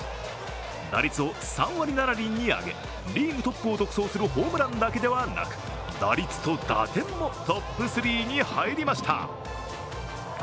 打率を３割７厘に上げ、リーグトップを独走するホームランだけでなく打率と打点もトップ３に入りました。